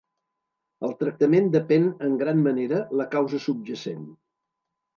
El tractament depèn en gran manera la causa subjacent.